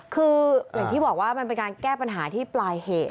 คืออย่างที่บอกว่ามันเป็นการแก้ปัญหาที่ปลายเหตุ